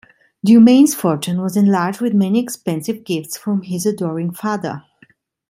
Du Maine's fortune was enlarged with many expensive gifts from his adoring father.